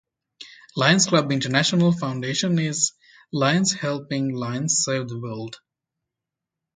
Lions Clubs International Foundation is "Lions helping Lions serve the world".